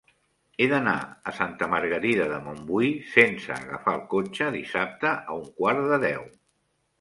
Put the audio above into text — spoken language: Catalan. He d'anar a Santa Margarida de Montbui sense agafar el cotxe dissabte a un quart de deu.